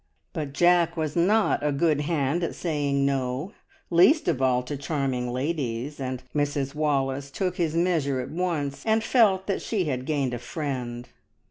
But Jack was not a good hand at saying "No," least of all to charming ladies, and Mrs Wallace took his measure at once, and felt that she had gained a friend.